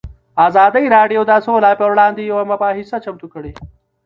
ازادي راډیو د سوله پر وړاندې یوه مباحثه چمتو کړې.